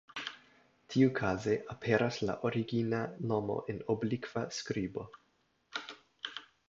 Tiukaze aperas la origina nomo en oblikva skribo.